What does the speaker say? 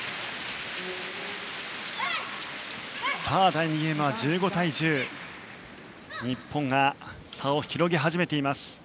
第２ゲームは１５対１０と日本が差を広げ始めています。